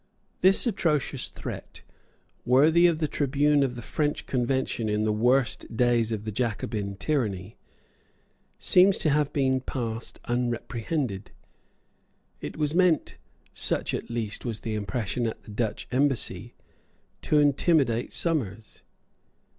This atrocious threat, worthy of the tribune of the French Convention in the worst days of the Jacobin tyranny, seems to have passed unreprehended. It was meant such at least was the impression at the Dutch embassy to intimidate Somers.